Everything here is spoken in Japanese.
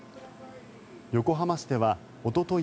横浜市ではおととい